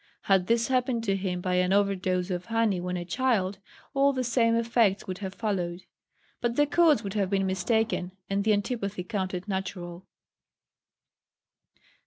Had this happened to him by an over dose of honey when a child, all the same effects would have followed; but the cause would have been mistaken, and the antipathy counted natural.